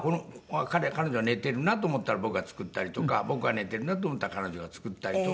彼女が寝ているなと思ったら僕が作ったりとか僕が寝ているなと思ったら彼女が作ったりとか。